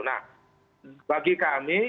nah bagi kami